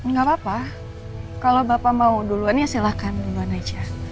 nggak apa apa kalau bapak mau duluan ya silahkan duluan aja